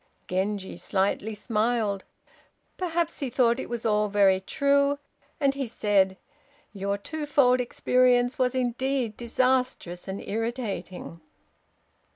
Genji slightly smiled; perhaps he thought it was all very true, and he said, "Your twofold experience was indeed disastrous and irritating!"